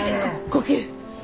呼吸。